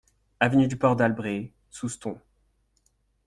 Avenue du Port d'Albret, Soustons